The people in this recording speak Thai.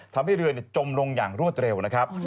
ทำให้เรือจมลงอย่างรวดเร็วนะครับ